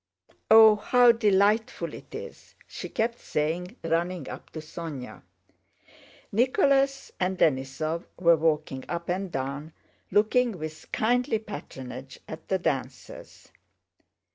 "Oh, how delightful it is!" she kept saying, running up to Sónya. Nicholas and Denísov were walking up and down, looking with kindly patronage at the dancers.